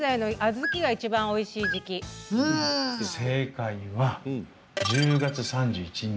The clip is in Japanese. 正解は、１０月３１日